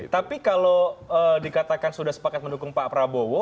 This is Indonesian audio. tapi kalau dikatakan sudah sepakat mendukung pak prabowo